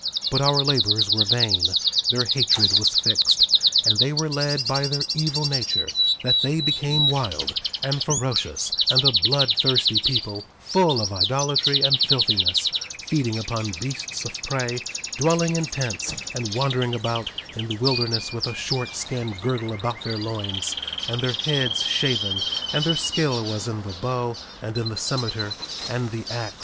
But our labors were vain; their hatred was fixed, and they were led by their evil nature that they became wild, and ferocious, and a bloodthirsty people, full of idolatry and filthiness; feeding upon beasts of prey; dwelling in tents, and wandering about in the wilderness with a short skin girdle about their loins and their heads shaven; and their skill was in the bow, and in the cimeter, and the ax.